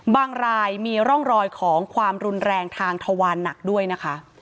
รายมีร่องรอยของความรุนแรงทางทวารหนักด้วยนะคะ